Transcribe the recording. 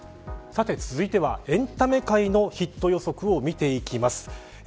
続いては、エンタメ界のヒット予測を見ていきます。